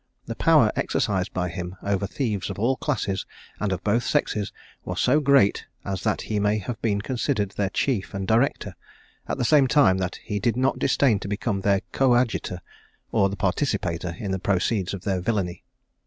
The power exercised by him over thieves of all classes, and of both sexes, was so great as that he may have been considered their chief and director, at the same time that he did not disdain to become their coadjutor, or the participator in the proceeds of their villany.